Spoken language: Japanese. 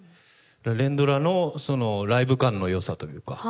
連ドラのライブ感の良さというか。